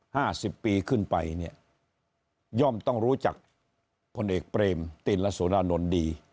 ห้าสิบปีขึ้นไปเนี่ยย่อมต้องรู้จักพลเอกเปรมติลสุรานนท์ดี